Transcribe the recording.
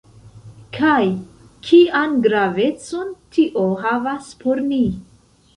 Kaj kian gravecon tio havas por ni?